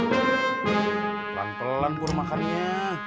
pelan pelan kur makannya